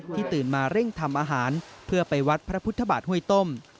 ตื่นมาเร่งทำอาหารเพื่อไปวัดพระพุทธบาทห้วยต้ม